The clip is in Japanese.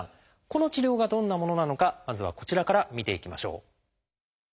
この治療がどんなものなのかまずはこちらから見ていきましょう。